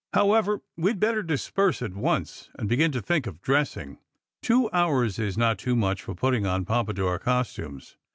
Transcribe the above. However, we'd better disperse at once, and begin to think of dressing. Two hours is not too much for putting on Pompa dour costumes.